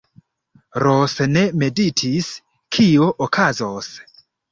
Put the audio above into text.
Ros ne meditis, kio okazos.